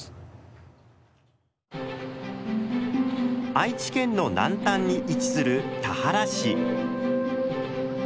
愛知県の南端に位置する田原市。